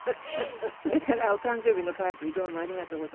「それからお誕生日のパーティーどうもありがとうございました」